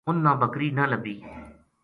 اُنھ نا بکری نہ لبھی